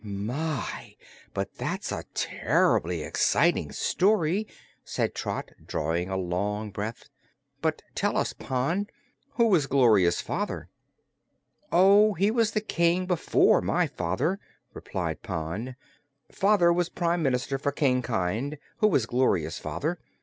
"My, but that's a terr'bly exciting story!" said Trot, drawing a long breath. "But tell us, Pon, who was Gloria's father?" "Oh, he was the King before my father," replied Pon. "Father was Prime Minister for King Kynd, who was Gloria's father.